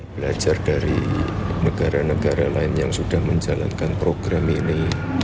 belajar dari negara negara lain yang sudah menjalankan program ini